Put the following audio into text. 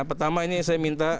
pertama ini saya minta